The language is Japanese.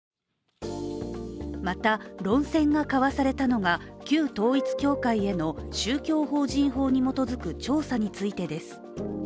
また、論戦が交わされたのが旧統一教会への宗教法人法に基づく調査についてです。